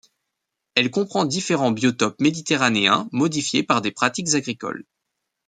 Elle comprend différents biotopes méditerranéens modifiés par des pratiques agricoles.